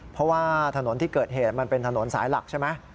เพราะว่าถนนที่เกิดเหตุมันเป็นถนนสายหลักใช่ไหม